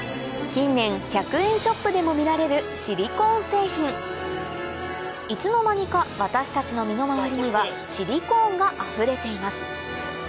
近年１００円ショップでも見られるシリコーン製品いつの間にか私たちの身の回りにはシリコーンがあふれています